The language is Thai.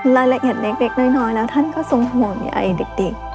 รายละเอียดเล็กน้อยแล้วท่านก็ทรงห่วงใยเด็ก